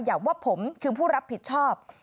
ว่าผมคือผู้รับผิดชอบ